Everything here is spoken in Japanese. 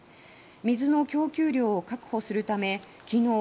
水の供給量を確保するためきのう